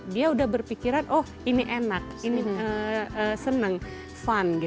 dia udah berpikiran oh ini enak ini seneng fun